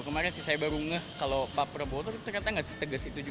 kemarin sih saya baru ngeh kalau pak prabowo itu ternyata nggak se tegas itu